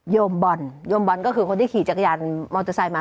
โยมบอลโยมบอลก็คือคนที่ขี่จักรยานมอเตอร์ไซค์มา